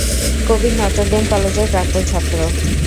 কবির Notre Dame কলেজের প্রাক্তন ছাত্র।